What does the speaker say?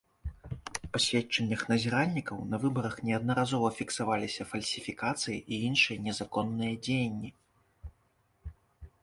Па сведчаннях назіральнікаў, на выбарах неаднаразова фіксаваліся фальсіфікацыі і іншыя незаконныя дзеянні.